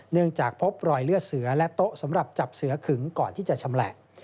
จากพบรอยเลือดเสือและโต๊ะสำหรับจับเสือขึงก่อนที่จะชำแหละ